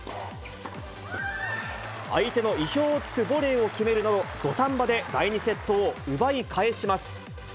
相手の意表をつくボレーを決めるなど、土壇場で第２セットを奪い返します。